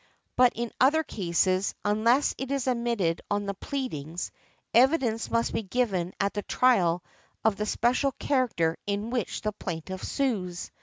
But in other cases, unless it is admitted on the pleadings, evidence must be given at the trial of the special character in which the plaintiff sues.